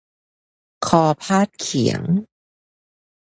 คอพาดเขียง